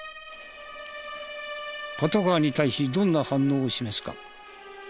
パトカーに対しどんな反応を示すか。